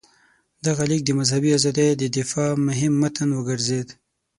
دغه لیک د مذهبي ازادۍ د دفاع مهم متن وګرځېد.